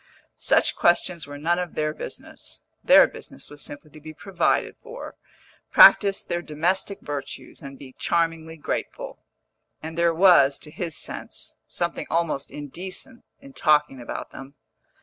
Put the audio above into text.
Such questions were none of their business (their business was simply to be provided for, practise the domestic virtues, and be charmingly grateful), and there was, to his sense, something almost indecent in talking about them.